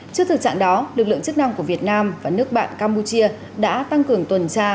trước thực trạng đó lực lượng chức năng của việt nam và nước bạn campuchia đã tăng cường tuần tra